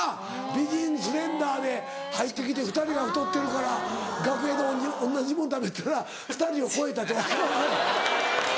美人スレンダーで入ってきて２人が太ってるから楽屋で同じもん食べてたら２人を超えたって訳分からん。